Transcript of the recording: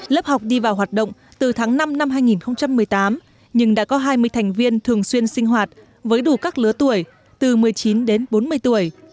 lớp học đi vào hoạt động từ tháng năm năm hai nghìn một mươi tám nhưng đã có hai mươi thành viên thường xuyên sinh hoạt với đủ các lứa tuổi từ một mươi chín đến bốn mươi tuổi